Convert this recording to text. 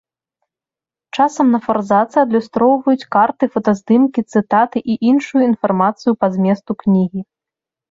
Часам на форзацы адлюстроўваюць карты, фотаздымкі, цытаты і іншую інфармацыю па зместу кнігі.